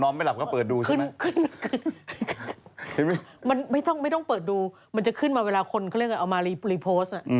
มันไม่ต้องเปิดดูมันจะขึ้นมาเวลาคนเขาเรียกว่าเอามารีโพสต์